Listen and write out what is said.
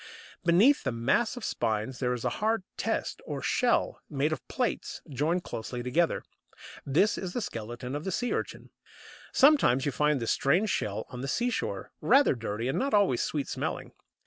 Beneath the mass of spines there is a hard test or shell, made of plates joined closely together; this is the skeleton of the Sea urchin. Sometimes you find this strange shell on the seashore, rather dirty, and not always sweet smelling.